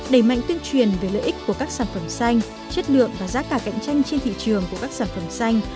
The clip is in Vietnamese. đẩy mạnh tuyên truyền về lợi ích của các sản phẩm xanh chất lượng và giá cả cạnh tranh trên thị trường của các sản phẩm xanh